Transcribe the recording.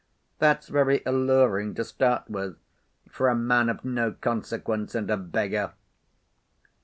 That's very alluring to start with, for a man of no consequence and a beggar.